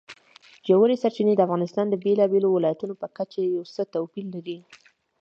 ژورې سرچینې د افغانستان د بېلابېلو ولایاتو په کچه یو څه توپیر لري.